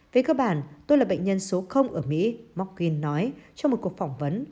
về cơ bản tôi là bệnh nhân số ở mỹ morkin nói trong một cuộc phỏng vấn